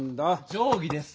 定ぎです。